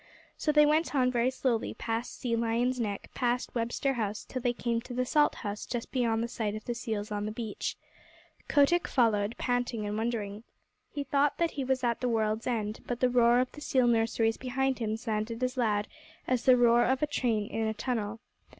So they went on very slowly, past Sea Lion's Neck, past Webster House, till they came to the Salt House just beyond the sight of the seals on the beach. Kotick followed, panting and wondering. He thought that he was at the world's end, but the roar of the seal nurseries behind him sounded as loud as the roar of a train in a tunnel.